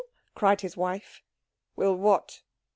cried his wife. "Will what?